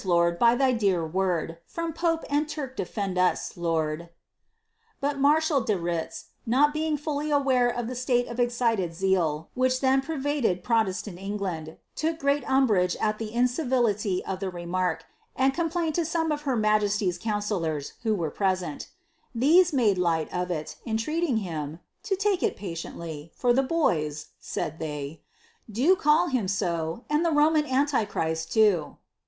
Lord, by thy dear word ; From Pope and Turk defend us, Lord T' Bat marshal de Retz, not being fully aware of the state of excited zeal which then pervaded protestant England, took great umbrage at the in civility of the remark, and complained to some of her majesty's coun cillors, who were present These made light of it, entreating him ^ to tike it patiently ; for the boys," said they, '^ do call him so, and the Unman Antichrist, too."